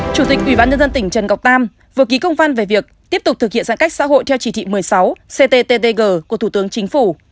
chủ tịch ubnd tỉnh trần ngọc tam vừa ký công văn về việc tiếp tục thực hiện giãn cách xã hội theo chỉ thị một mươi sáu cttg của thủ tướng chính phủ